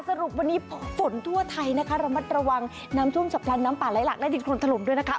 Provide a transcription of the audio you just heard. สรุปวันนี้ฝนทั่วไทยนะคะระมัดระวังน้ำท่วมฉับพลันน้ำป่าไหลหลักและดินคนถล่มด้วยนะคะ